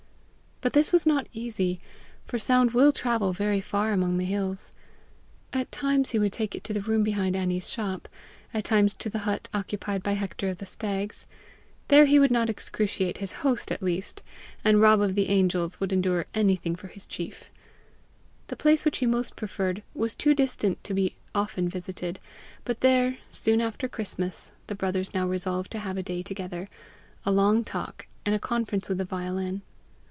But this was not easy, for sound will travel very far among the hills. At times he would take it to the room behind Annie's shop, at times to the hut occupied by Hector of the Stags: there he would not excruciate his host at least, and Rob of the Angels would endure anything for his chief. The place which he most preferred was too distant to be often visited; but there, soon after Christmas, the brothers now resolved to have a day together, a long talk, and a conference with the violin.